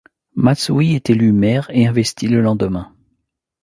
Matsui est élu maire et investi le lendemain.